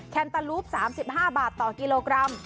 แนตาลูป๓๕บาทต่อกิโลกรัม